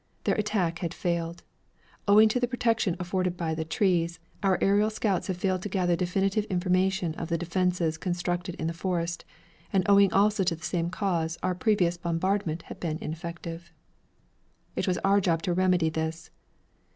Their attack had failed. Owing to the protection afforded by the trees, our aerial scouts had failed to gather definite information of the defenses constructed in the forest, and owing also to the same cause, our previous bombardment had been ineffective. It was our job to remedy this.